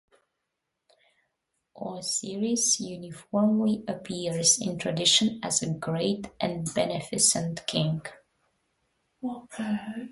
Osiris uniformly appears in tradition as a great and beneficent king.